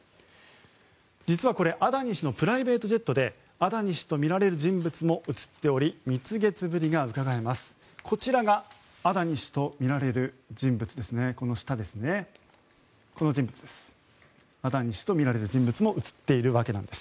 実はこれ、アダニ氏のプライベートジェットでアダニ氏とみられる人物も写っており蜜月ぶりがうかがえます。